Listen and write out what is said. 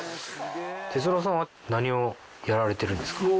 鉄郎さんは何をやられてるんですか？